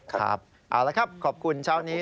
ครับเอาละครับขอบคุณเช้านี้